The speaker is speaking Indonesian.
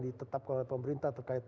ditetapkan oleh pemerintah terkait